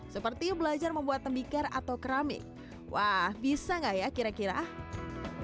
seperti belajar membuat tembikar atau keramik wah bisa enggak ya kira kira belajar membuat